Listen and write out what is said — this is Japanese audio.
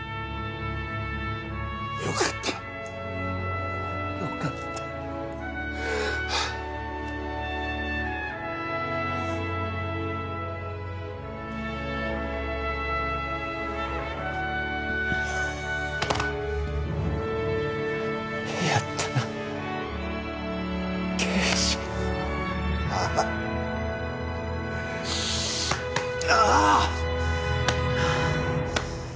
よかったよかったやったな啓示ああああっ！